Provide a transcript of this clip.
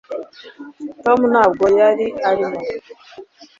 tom ntabwo yari arimo